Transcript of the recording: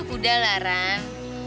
udah lah ran